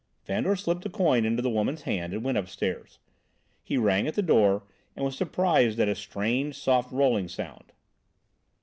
Fandor slipped a coin into the woman's hand and went upstairs. He rang at the door and was surprised at a strange, soft rolling sound.